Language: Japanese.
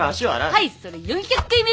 はいそれ４００回目！